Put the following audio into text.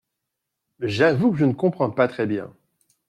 J’avoue que je ne comprends pas très bien.